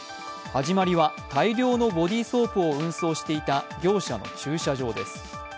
始まりは、大量のボディソープを運送していた業者の駐車場です。